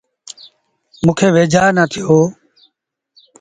موݩ کي ويجھآ نا ٿيٚو۔